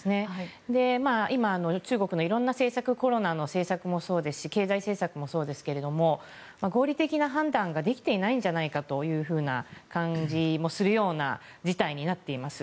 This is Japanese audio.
今、中国のいろんな政策コロナの政策もそうですし経済政策もそうですけども合理的な判断ができていないんじゃないかというような感じもするような事態になっています。